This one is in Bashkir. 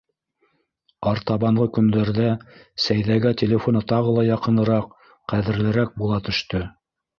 Артабанғы көндәрҙә Сәйҙәгә телефоны тағы ла яҡыныраҡ, ҡәҙерлерәк була төштө.